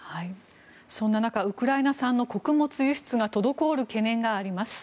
そんな中、ウクライナ産の穀物輸出が滞る危険があります。